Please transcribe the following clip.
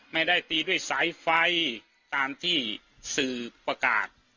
ไม่ได้ตีด้วยสายไฟตามที่สื่อประกาศ